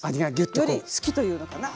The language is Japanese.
より好きというのかな。